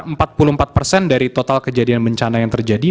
bnpb mencapai keuntungan yang tertinggi dari total kejadian bencana yang terjadi